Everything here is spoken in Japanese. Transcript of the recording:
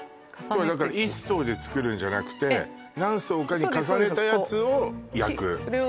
要はだから１層で作るんじゃなくて何層かに重ねたやつを焼くそうです